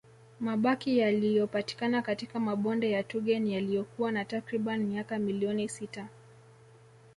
Mabaki yaliyopatikana katika mabonde ya Tugen yaliyokuwa na takriban miaka milioni sita